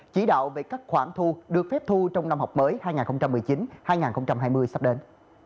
chỉ đạo về các khoản thu được phép thu trong năm học mới hai nghìn một mươi chín hai nghìn hai mươi sắp đến